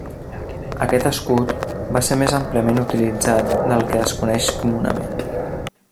Aquest escut va ser més àmpliament utilitzat del que es coneix comunament.